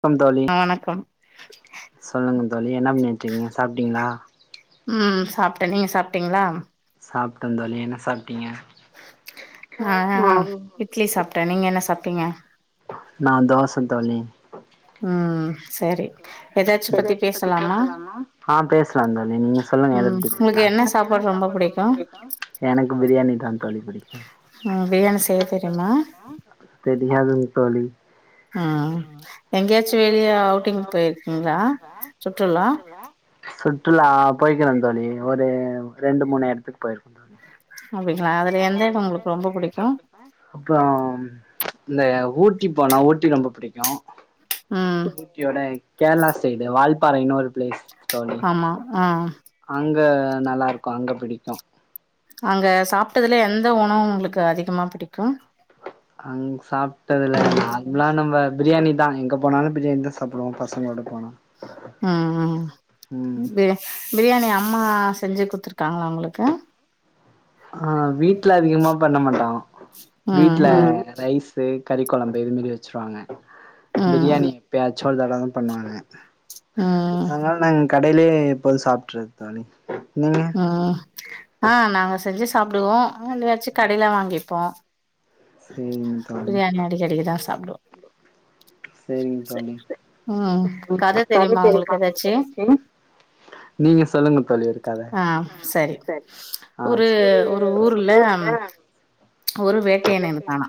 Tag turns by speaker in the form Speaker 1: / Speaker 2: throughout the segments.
Speaker 1: க்கம் தோழி
Speaker 2: அ வணக்கம்
Speaker 1: சொல்லுங்க தோழி என்ன பண்ணிட்ருக்கீங்க சாப்ட்டீங்ளா
Speaker 2: ம் சாப்ட்டே நீங்க சாப்பிட்டிங்ளா
Speaker 1: சாப்ட்ட தோழி என்ன சாப்
Speaker 2: நா அ அ ம் இட்லி சாப்ட்டே நீங்க என்ன சாப்டீங்க
Speaker 1: நா தோச தோழி
Speaker 2: ம் செரி
Speaker 1: எதாச்சு பத்தி பேசலாமா அ பேஸ்லான் தோழி நீங்க சொல்லுங்க எத பத்தி மேல்தான். உங்களுக்கு என்ன சாப்பாடு ரொம்ப புடிக்கு? எனக்கு பிரியாணி தா தோழி புடிக்கோ. அ பிரியாணி செய்ய தெரிமா? தெரியாது தோழி
Speaker 2: ம் எங்கேயாச்சு வெளிய ஔட்டிங் போய்ர் கிங்லா சுற்றுலா
Speaker 1: சுற்றுலா போய்கிறே தோழி ஒரு ரெண்டு மூணு எடத்துக் போய்ர்க்க தோழி
Speaker 2: அப்டிங்ளா அதுல எந்த எடோ உங்குளுக் ரொம்ப புடிக்கோ
Speaker 1: அப்றோ இந்த ஊட்டி போனா ஊட்டி ரொம்ப புடிக்கு
Speaker 2: ம்
Speaker 1: ஊட்டியோட கேர்ளா சைடு வால்பாறைன் ஒரு ப்ளேஸ்
Speaker 2: ஆமா ஆ
Speaker 1: அங்க நல்லாருக்கோ அங்க பிடிக்கு
Speaker 2: அங்க சாப்ட்டதுல எந்த உணவு உங்குளுக்கு அதிகமா பிடிக்கு
Speaker 1: அங்குசாப் ட்டதுல்ல
Speaker 2: ம்
Speaker 1: நார்மலா நம்ப பிரியாணி நாங்க எங்க போனாலு பிரியாணிதா சாப்
Speaker 2: ம் ம் பிரி பிரியாணி அம்மா செஞ்சு குத்துருக்காங்களா உங்களுக்கு
Speaker 1: ஆ வீட்ல அதிகமா பண்ண மாட்டங்க
Speaker 2: ம்,
Speaker 1: வீட்ல
Speaker 2: ம்,
Speaker 1: ரைஸு கறி கெழம்பு இது மெரி வெச்சுருவாங்க
Speaker 2: ம்,
Speaker 1: பிரியணி எப்பயாது சோழ்தடதா பண்ணுவாங்க
Speaker 2: ம்,
Speaker 1: ஆனா நாங் கடையிலே இப்போது சாப்ட்றது தோழி நீங்க
Speaker 2: ம் ஆ நாங்க செஞ்சு சாப்டுவோ அவங்கலே ஆச்சு கடையில வாங்கிப்போ
Speaker 1: சேரிங் தோழி
Speaker 2: அப்றோ
Speaker 1: செரிங்க தோழி கத தெரியுமா உங்குளுக்கு எதாச்சு நீங்க சொல்லுங்க தோழி ஒரு கத
Speaker 2: ஆ
Speaker 1: ம்
Speaker 2: சரி.
Speaker 1: செரி ம் ஒரு ஊர்ல
Speaker 2: ஒரு வேட்டையன் இருத்தானா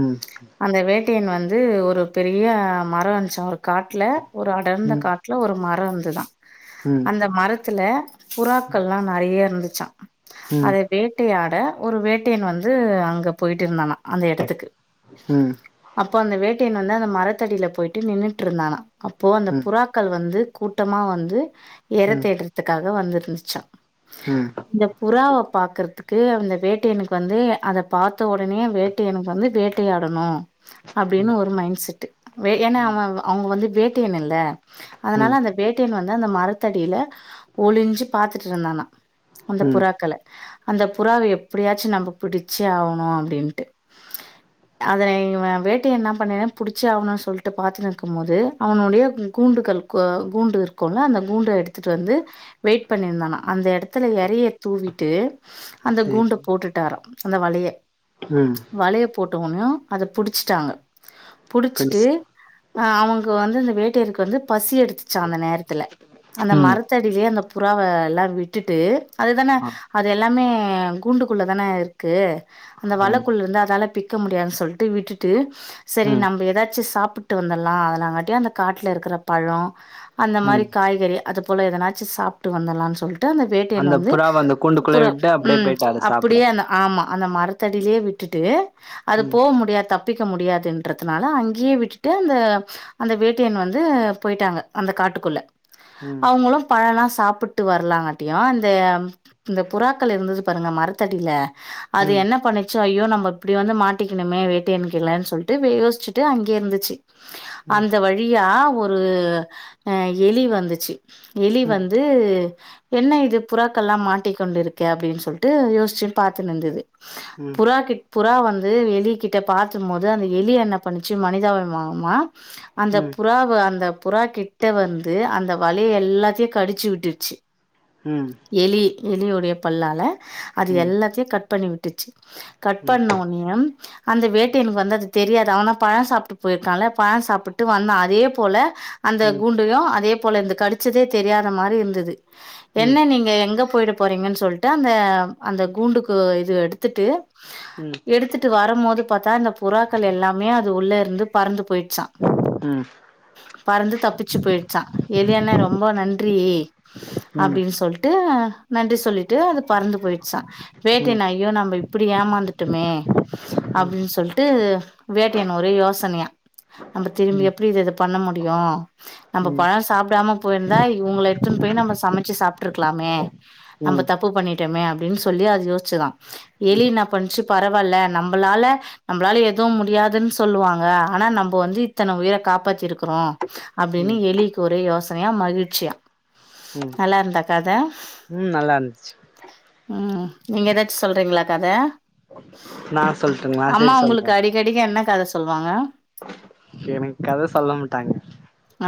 Speaker 1: ம்
Speaker 2: அந்த வேட் வேட்டயன் வந்து ஒரு பெரிய மரம் இருஞ்சா ஒரு காட்ல ஒரு அடர்ந்த
Speaker 1: ம்
Speaker 2: காட்ல ஒரு மரோ புறா வந்துதா
Speaker 1: ம் ம்
Speaker 2: அந்த மரத் த்துல புறாக்கள்லா நெறைய இருந்து ச்சா
Speaker 1: ம்
Speaker 2: அது வேட்டையா ட ஒரு வேட்டையன் வந் ந்து அங்க போயிட்டு இருந்தானா அந்த எடத்துக்கு
Speaker 1: ம்
Speaker 2: அப் அப்போ அந்த வேட்டையன் வந்து அந்த மரத்தடில போயிட்டு நின்னுட்டு இருந்தானா அப்போ அந்த புறாக்கள் வந்து கூட்டமா வந்து எர
Speaker 1: ம் ம்
Speaker 2: தேட்றத்துக்காக் எதோ வந்துருந்துச்சா
Speaker 1: ம்
Speaker 2: இந்த புறாவ பாக்கற்துக்கு அந்த வேட்டையனுக் வந்து அத பாத்த உடனேயே வேட்டையனுக் வந்து வேட்டையாடனோ அப்டின்னு ஒரு மைண் செட்டு வே ஏன்னா அவ அ அவுங்க வந் வேட்டையன் இல்ல அதனால
Speaker 1: ம்
Speaker 2: அந்த வேட்டையன் வந்து து அந்த மரத்தடியில ஒளிஞ்சி பாத்துட்ருந்தானா அந்த
Speaker 1: ம்
Speaker 2: புறாக்கள அந்த புறாவ எப்படியாச்சு நம்போ பிடிச்சே ஆவனு அப்டின்ட்டு அத இவ வேட்டையன் நம்பனே புடிச்சி ஆவனு சொல்ட்டு பாத்துனு இருக்குமோது அவனுடைய கை கூண்டுகள் கோ கூண்டு இருக்கோல்ல அந்த கூண்டு எடுத்துட்டு வந்து வெயிட் பண்ணியிருந்தானா அந்த எடத்துல எறைய தூவிட்டு அந்த
Speaker 1: சரி
Speaker 2: கூண்ட போட்டுட்டாரா அந்த வலைய
Speaker 1: ம்
Speaker 2: வலைய போட்ட ஒன்யோ அத புடிச்சட்டாங்க புடிச்சிட்டு
Speaker 1: கண்டிச்ட்
Speaker 2: ஆ அவங்க வந்து இந்த வேட்டையருக்கு வந்து பசி எடுத் துச்சா அந்த நேரத்துல அந்த
Speaker 1: ம்
Speaker 2: மரத்தடியலேயே அந்த புறாவ எல்லா விட்டுட்டு அதுதான
Speaker 1: ஆ
Speaker 2: அது எல்லாமே ஹ் கூண்டுக்குள்ள தானே இருக் கு அந்த
Speaker 1: ம்
Speaker 2: வலக்குள்ளருந்து அதால பிக் க்க முடியாது சொல்ட்டு விட்டுட்டு சேரி
Speaker 1: ம்
Speaker 2: நம்ம ஏதாச்சு சாப் பிட்டு வந்தரலா அதுலங்கட்டியு அந்த காட்டுல இருக்கிற பலோ அந்த மாரி
Speaker 1: ம்
Speaker 2: காய்கறி அது போல எதனாச்சு சாப்ட்டு வந்தற்லான்னு சொல் டு அந்த வேட்டையன் வந்து
Speaker 1: புறாவ அந்த கூண்டுக்குள்ளே
Speaker 2: புறா
Speaker 1: விட்டு அப்டியே
Speaker 2: உம்
Speaker 1: போயிட்டு அத சாப்ட
Speaker 2: அப்படியேன்ன ஆமா அந்த மரத்தடிலேயே விட்டுட்டு அது
Speaker 1: ம்
Speaker 2: போ முடியா தப் தப்பிக்க முடியாதுன்றதுனால அங்கயே விட்டுட்டு அந்த அந்த வேட்டையன் வந்து போயிட்டாங்க அந்த காட்டுக்குள்ள
Speaker 1: ம்
Speaker 2: அவங்களு பழல்லா சாப்பிட்டு வரலாங்காட்டியு அந்த இந்த புறாக்கள் இருந்தது பாருங்க மரத்தடியில அது
Speaker 1: ம்
Speaker 2: என்ன பண்ணிச்சு ஐயோ நம்ம இப்படி வந்து மாட்டிக்கணுமே வேட்டையன்கைலன்னு சொல்லிட்டு யோசிச்சுட்டு அங்கேயே இருந்துச்சு
Speaker 1: ம்
Speaker 2: அந்த வழியா ஒரு ஹ எலி வந்துச்சு எலி
Speaker 1: ம்
Speaker 2: வந்து என்ன இது புறாக்கல்லா மாட்டிகிக்கொண்டு இருக்க அப்டின்னு சொல்லிட்டு யோசிச்சுட்டு பாத்துனுந்துது
Speaker 1: ம்
Speaker 2: புறா கிட் புறா வந்து வந்து எலி கிட்ட பாத்தும் போது அந்த எலிய என்ன பண்ணிச்சு மனிதாபிமா மா அந்த
Speaker 1: ம் ம்
Speaker 2: புறாவ அந்த புறா கிட்ட வந்து அந்த வலைய எல்லாத்தயு கடிச்சு விட்டுருச்சு
Speaker 1: ம்
Speaker 2: எலி எலியுடைய பல்லால அது
Speaker 1: ம் ம்
Speaker 2: எல்லாத் கட் பண்ணி விட்டுச்சு கட்
Speaker 1: ம் ம்
Speaker 2: பண்ண ஒட்னேய அந்த வேட்டையனுக்கு வந்து அது தெரியாது அவன்தா பழம் சாப்ட்டு போயிருக்கால்ல பழம் சாப்புட்டு வந்தா அதே போல அந்த
Speaker 1: ம்
Speaker 2: கூண்டையும் அதே போல இந்த கடிச்சதே தெரியாத மாரி இருந்தது
Speaker 1: ம் ம்
Speaker 2: என்ன நீங்க எங்க போயிட போறீங்கன்னு சொல்ட்டு அந்த அந்த கூண்டுக்கு இது எடுத்துட்டு எடுத்துட்டு வரம் மோது பாத்தா இந்தப் புறாக்கள் எல்லாமே அது உள்ள இந்து பறந்து போயிட்ச்சா
Speaker 1: ம்
Speaker 2: பறந்து தப்பிச்சு போயிட்ச்சா‌ எலி அன்னே ரொம்போ நன் ட்ரீ
Speaker 1: ம்
Speaker 2: அப்புடின்னு சொல்ட்டு நன்றி சொல்லிட்டு அது பறந்து போயிட்ச்சா
Speaker 1: ம் ம்
Speaker 2: வேட்டயன் ஐயோ நம்ப இப் இப்புடி ஏமாந்துட்டோமே அப்புடின்னு சொல்ட்டு வேட்டையன் ஒரே யோசனையா நம்ம திரும்பி எப்புடி இத இத பண்ண முடியு நம்ப பழம் சாப்புடாம போயிருந்தா இவங்கள எட்த்துன்னு போய் நம்ப சமைச்சு சாப்ட்ருக்கலாமே நம்ப
Speaker 1: ம் ம்
Speaker 2: தப்பு பண்ணிட்டோமே அப்புடின்னு சொல்லி அத் யோச்சுதா எலி இன்னா பண்ச்சு பரவால்ல நம்பளால நம்பளால எதுவும் முடியாதுன்னு சொல்லுவாங்க ஆனா நம்போ வந்து இத்தன உயிர காப்பாத்திருக்குறோ அப்டின்னு
Speaker 1: ம்
Speaker 2: எலிக்கு ஒரே யோஸ் னையா மகிழ்ச்சியா நல்லா இருந்தா கத
Speaker 1: ம் நல்லா இருந்துச்சு
Speaker 2: ம் நீங்க ஏதாச்சும் சொல்றீங்களா கத
Speaker 1: நா சொல்ட்டுங்களா
Speaker 2: ஆமா
Speaker 1: சரி
Speaker 2: உங்களுக்கு
Speaker 1: சொல்ற
Speaker 2: அடிக்கடிக்கு என்ன கத சொல்வாங்க
Speaker 1: எனக்கு கத சொல்ல மாட்டாங்க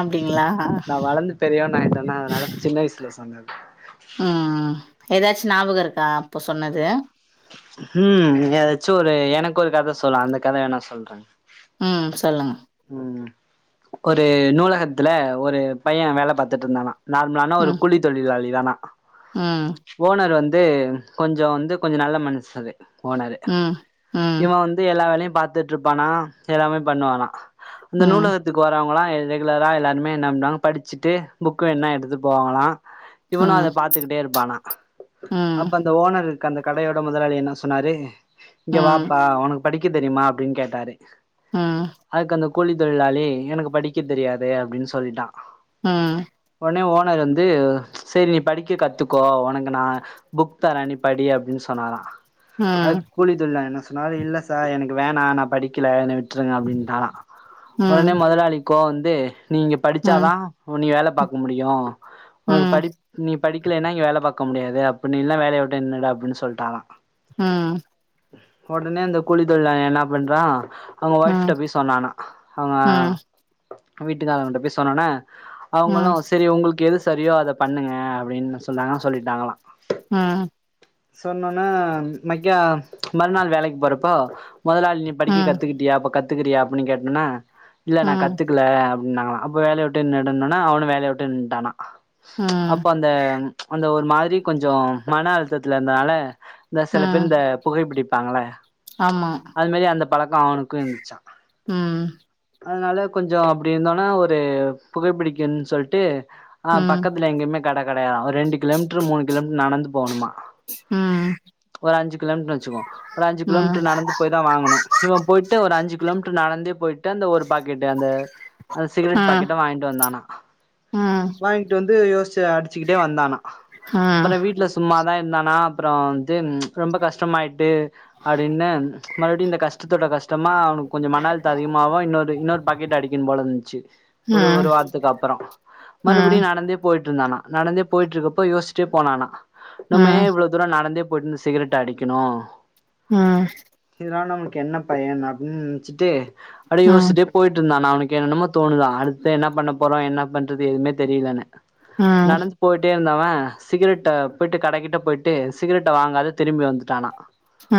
Speaker 2: அப்படிங்களா?
Speaker 1: நா வளந்து பெரியவனாய்ட்டன்னா அதனால சின்ன வயசுல சொன்னது
Speaker 2: ம். ஏதாச்சும் ஞாபகம் இருக்கா அப்போ சொன்னது
Speaker 1: ம் ஏதாச்சும் ஒரு எனக்கு ஒரு கத சொல்லா அந்த கத வேணா சொல்றே
Speaker 2: ம் சொல்லுங்க
Speaker 1: ம் ஒரு நூலகத்துல ஒரு பைய வேல பாத்துட்ருந்தானா நார்மலான ஒரு
Speaker 2: ம்.
Speaker 1: கூலி தொழிலாளி தானா
Speaker 2: ம்.
Speaker 1: ஓனர் வந் து கொஞ்சம் வந்து கொஞ்சம் நல்ல மனுசரு ஓனரு
Speaker 2: ம். ம்.
Speaker 1: இவன் வந்து எல்லா வேலையு பாத்துட்டு இருப்பானா எல்லாமே பண்ணுவானா அந்த
Speaker 2: ம்.
Speaker 1: நூலகத்துக்கு வரவங்களா ரெகுலரா எல்லாருமே என்ன பண்ணுவாங்க படிச்சுட்டு புக் வேணுனா எடுத்து போவாங்களலா இவனு அத
Speaker 2: ம்.
Speaker 1: பாத்துக்கிட்டே இருப்பானா
Speaker 2: ம்.
Speaker 1: அப்ப அந்த ஓனர்ரு க அந்த கடையோட முதலாளி என்ன சொன்னாரு இங்க
Speaker 2: ம்.
Speaker 1: வாப்பா உனக்கு படிக்க தெரியுமா அப்டின்னு கேட்டாரு
Speaker 2: ம்
Speaker 1: அதுக்கு அந்த கூலி தொழிலாளி எனக்கு படிக்க தெரியாதே அப்டின்னு சொல்லிட்டா
Speaker 2: ம்
Speaker 1: உடனே ஓனர் வந்து சேரி நீ படிக்க கத்துக்கோ உனக்கு நா புக் தரே நீ படி அப்டின்னு சொன்னாராம்
Speaker 2: ம்.
Speaker 1: அதுக் கூலி தொழிலாளி என்ன சொன்னாரு இல்ல சார் எனக்கு வேணா நா படிக்கல என்ன விட் ட்ருங்க அப்டின்டாரா உடனே
Speaker 2: ம்
Speaker 1: மொதலாளி கோவம் வந்து நீ இங்க
Speaker 2: ம்
Speaker 1: படிச்சாதா உ நீ வேல பாக்க முடியு உனக்கு
Speaker 2: ம்
Speaker 1: படிப்பு நீ படிக்கலேன்னா இங்க வேலை பாக்க முடியாது அப்ப நீ இல்லனா வேலைய விட்டு நின்னுடு அப்டின்னு சொல்லிட்டாரா
Speaker 2: ம்
Speaker 1: உடனே அந்த கூலித் தொழிலாளி என்ன பண்றா அவுங்க ஒய்ஃப்ட்ட
Speaker 2: ம்
Speaker 1: போய் சொன்னானா அவுங்க
Speaker 2: ம்
Speaker 1: வீட்டுக்காரவங்கட்ட போய் சொன்னோன
Speaker 2: ம்
Speaker 1: அவுங்களு செரி உங்களுக்கு எது சரியோ அத பண்ணுங்க அப்டின்னு சொன்னாங்க சொல்லிட்டாங்களா
Speaker 2: ம்
Speaker 1: சொன்னோன்ன மைக்கா மறுநாள் வேலைக்கு போறப்போ மொதலாளி நீ படிக்க கத்துக்கிட்டியா அப்ப கத் துக்கிறாயா அப்டினு கேட் டோன்னா இல்ல நா
Speaker 2: ம்
Speaker 1: கத்துக்கல அப் ன்னாங்ளா அப்போ வேலய உட்டு நின்னுடுன்னோனே அவனு வேலய வுட்டு நின்ட்டானா
Speaker 2: ம்
Speaker 1: அப்ப அந்த ச்ச் அந்த ஒரு ஒரு மாரி கொஞ்சோ மன அழுத்தத்தில்ல இந்தனால இந்த சில பேர் இந்த புகைப்பிடிப் பாங்கல்ல
Speaker 2: ஆம்மா
Speaker 1: பழக்கோ அவனுக்கு இர்ந்துச்சா
Speaker 2: ம்
Speaker 1: அதனால கொஞ்சோ அப்பிடி இருந்தோன்னா ஒரு புகைப்பிடிக்குன் சொல்ட்டு அ
Speaker 2: ம்
Speaker 1: பக்கத்துல எங்கேமே கட கடையாதா ஒரு ரெண்டு கிலோமீட்ரு மூணு கிலோமீ நடந்து போணுமா
Speaker 2: ம் ம்
Speaker 1: ஒரு அஞ்சு கிலோமீ [unintelligible] வச்சுக்கோ ஒரு அஞ்சு
Speaker 2: ம்
Speaker 1: கிலோமீட்ரு நடந்து போய் தா வாங்கணு இவ போய்ட்டு ஒரு அஞ்சு கிலோமீட் ரு நடந்தே போய்ட்டு அந்த ஒரு பாக்கெட்டு அந்த அந்த
Speaker 2: ம்
Speaker 1: [unintelligible]
Speaker 2: ம்
Speaker 1: பாக்கெட்ட வாய்ன்ட்டு வந்தானா
Speaker 2: ம் ம் ம்
Speaker 1: வாய்ங்ட்டு வந்து யோஸ் ச்சு அடிச்சுக்கிட்டே வந்தானா
Speaker 2: ம் ம் ம் ம் ம் ம் ம் ம் ம் ம் ம் ம்
Speaker 1: ப்புற வீட்ல சும்மா வே இந்தானா அப்பறோ து ம் ச்ச் ரொம்ப கஷ்டமாய்ட்டு அப்டின்னு ச்ச மறுப்டி இந்த கஷ்டத்தோட கஷ்டமா அவ்னுக் மன அழுத்தோ அதிகமாவு இன்னொரு இன்னொர் பாக்கெட்டு அடிக்கன் போல இருந்ச்சு ஒரு
Speaker 2: ம்
Speaker 1: ஒரு
Speaker 2: ம்
Speaker 1: வார்த்துக்கப்பறோ
Speaker 2: ஆ
Speaker 1: மறுபிடியு நடந்தே போயிட்ருக் இந்தானா நடந்தே போயிட்ருக்கப்போ யோஸ்ச்சுட்டே போனானா
Speaker 2: ம் ம்
Speaker 1: நம்ம ஏ இவ்ளோ தூரோ நடந்தேப் போய்ட்ந் [unintelligible] அடிக்கெனோ
Speaker 2: அ அ
Speaker 1: இதனால் நம்ளுக் என்ன பயன் அப்பின் சிட்டு
Speaker 2: ம்
Speaker 1: அப்டே
Speaker 2: ம்
Speaker 1: யோஸ்சிட்டே போய்ட்ருந்தானா அவுனுக் கெனனமோ தோணுதா அடுத்து என்னா பண்ண போறோ என்ன பண்றது எதுமே தெரிலன்னு நனஞ்சி போய்ட்டே இந்தவ [unintelligible] போய்ட்டு கடக்கிட்ட போய்ட்டு [unintelligible] வாங்காத திரும்பி வந்துட்டானா
Speaker 2: அ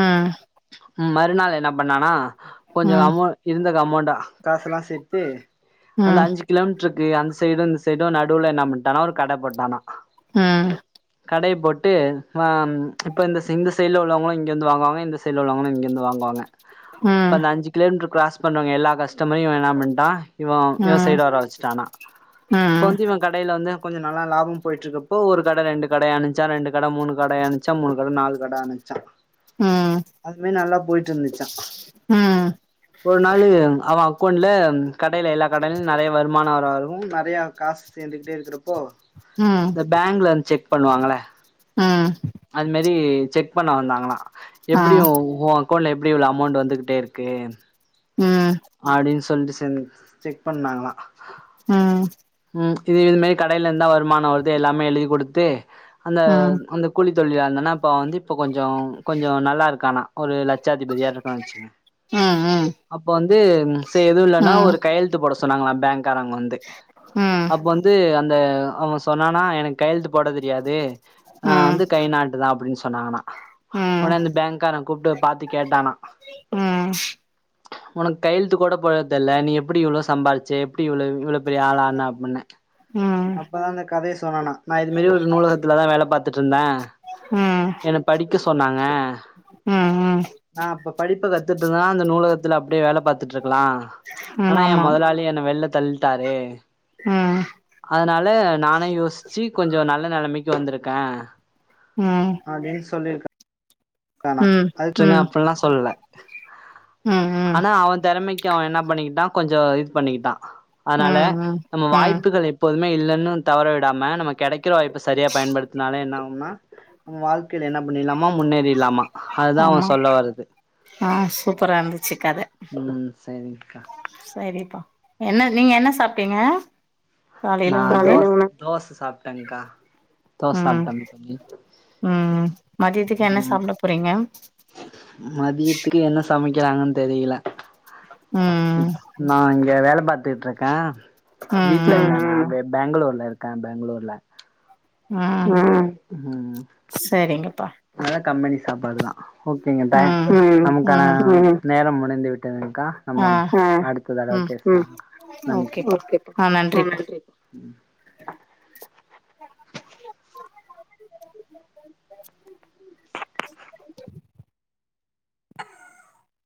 Speaker 1: மறுநாள் என்ன பண்ணானா கொஞ்சோ அமௌ இருந் த அமௌண்ட காசெல்லா சேத்து அந்த அஞ்சு கிலோமீட்ருக் கு அந்த சைடு இந்த சைடு நடுவுல என்ன பண்ணட்டானா ஒரு கட போட்டானா கடைய போட் டு வாம் ச்ச இப்ப இந்த இந்த சைட்ல உள்ளவங்களு இங்கிந்து வாங்குவாங்க இந்த சைட்ல உள்ளவங்களு இங்கந்து வாங்குவாங்க ப அஞ்சு கிலோமீட்டர் கிராஸ் பண்றவங்க எல்லா கஷ்டமரையு இவ என்னா பண்டா இவோ இவ சைட்டு வர வச்சுட்டானா இப்போ வந்து இவ கடைல வந்து கொஞ்ச நல்லா லாபோ போயிட்ருக்கப்போ ஒரு கட ரெண்டு கட ஆணிச்சா ரெண்டு கட மூணு கட ஆணிச்சா மூணு கட நாலு கட ஆணிச்சா அதுவே நல்லா போயிட்ருந்துச்சா ஒரு நாளு அவ அக்கவுன்ட்ல கடைல எல்லா கடைலயு நெறைய வருமான வரவு நிறையா காசு சேர்ந்துக்கிட்டே இருக்கிறப்போ த பேங்லந்த செக் பண்வாங்கள
Speaker 2: ம்
Speaker 1: அத் மேரி செக் பண்ண வந்தாங்களா எப்பிடியு உவாங் கவுன்ட்ல எப்டி இவ்ளோ அமௌண்ட் வந்துகிட்டே இருக்கு அப்டின் சொல்ட்டு டென் செக் பண்ணாங்களா
Speaker 2: ம்
Speaker 1: ம் இது இதுமே கடைல இந்தா வருமான வருது எல்லாமே எழுதி கொடுத்து அந்த அந்த கூலிப் சொல்லி அந்தண்ணா இப்ப வந்து இப்ப கொஞ் சோ கொஞ்சோ நல்லா இருக்கானா ஒரு லட்சத் திபதியா இருக்கா வெச்சுகங்கே அப்போ வந் துனா செ எதுவு இல்லனா ஒரு கையெழுத்து போட சொ சொன்னாங்களா பேங்க் காரங் வந்து அப் வந்து அந் ந்த அவ சொன்னானா எனக் கையெழுத் போட தெரியாது ஆ வந்து கை நாட்டுதா அப்டின் சொ சொன்னானா
Speaker 2: ம் ம்
Speaker 1: ஒனே அந்த பாங்க்கார கூப்ட்ட பாத்து கேட்டானா
Speaker 2: ம்
Speaker 1: உனக்கு கையழுத்து கூட போட தெர்ல்ல நீ எப்புடி இவ்வளோ சம்பால்ச்ச எப்புடி இவ்வளோ இவ்வளோ பெரிய ஆள் ஆ ண்ணா அப்புட்னே
Speaker 2: ம்
Speaker 1: அப்பதா அந்த கதையை சொன்னனா நா இது மாரி ஒரு நூலகத்துலதா வேல பாத்துட்ருந்தே
Speaker 2: ம்
Speaker 1: என்ன படிக்க ஸ் சொன்னாங்க அ
Speaker 2: ம் ம்
Speaker 1: நா அப்ப படிப்ப கத் தெர்துங்க அந்த நூலகத்துல அப்டே வேல பாத்துட்ருக் குலா
Speaker 2: ம்
Speaker 1: ஆனா
Speaker 2: ஆமா
Speaker 1: என் முதலாளி என்ன வெள்ளத் தள்ட்டாரு
Speaker 2: ம்
Speaker 1: அதனால நானே யோசிச்சு கொஞ்சோ நல்ல நெலமைக்கி வந்துருக்கே
Speaker 2: ம்
Speaker 1: அப்புடின்னு சொல்லிருக்கு வேணா
Speaker 2: ம் ம்
Speaker 1: அதுட்ருங்க
Speaker 2: ம்
Speaker 1: அப்புட்ல்லா சொல்ல ஆ
Speaker 2: ம் ம்
Speaker 1: ஆனா அவ தெறமைக்கு அவ என்னா பண்ணிக்கிட்டா கொஞ்சோ இது பண்ணிக்கிட்டா அதனால
Speaker 2: ம்
Speaker 1: நம்ம
Speaker 2: ம்
Speaker 1: வாய்ப்புகள் எப்போ மே இல்லன்னு தவற விடாம நம்ம கெடைக் க்கே வாய்ப்பு சரியா பயன்படுத்துனாலே என்ன ஆகும்னா நம்ம வாழ்க்கையில என்ன முன்னில்லாமா இல்லாமா முன்னேறி இல்லாமா அதுதா அவன்
Speaker 2: ஆமா
Speaker 1: சொல்ல வரது
Speaker 2: ஆ சூப்பரா இருந்துச்சு கத
Speaker 1: ம் சரிங்க்கா
Speaker 2: சரிப்பா என்ன நீங்க என்ன சாப்ட்டீங்க
Speaker 1: நா
Speaker 2: காலையில உணவு
Speaker 1: தோஸ் தோச சாப்ட்டேங்க்கா தோச
Speaker 2: ம்
Speaker 1: சாப்ட்டேங் தோழி
Speaker 2: ம் மதியத்துக்கு என்ன
Speaker 1: ம்
Speaker 2: சாப்புட போறீங்க
Speaker 1: மதியத்துக்கு என்ன ஸ் சமைக்கிறாங்கன்னு தெரியில
Speaker 2: ம்
Speaker 1: நா இங்க வேல பாத் ட்டுருக்கக்கா வீட்ல ம் பெங்களூர்ல இருக்கேன் பெங்களூர்ல
Speaker 2: ம்
Speaker 1: ம்
Speaker 2: சரிங்கப்பா
Speaker 1: அதா கபெனி சாப்பாடு தா ஓகேங்க டே
Speaker 2: ம்
Speaker 1: நமக்கான
Speaker 2: ம்
Speaker 1: நேரம் மு ணந்து விட்டது க்கா
Speaker 2: ஆ
Speaker 1: நம்ம அடுத்த தடவ
Speaker 2: ம்
Speaker 1: பேசலா
Speaker 2: ஓகேப்பா ஆ நன்றிப்பா
Speaker 1: நன்றி [inaudible]
Speaker 2: [inaudible] [inaudible]